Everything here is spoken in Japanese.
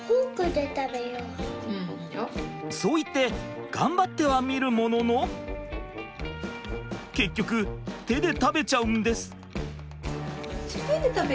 そう言って頑張ってはみるものの結局手で食べちゃうんです。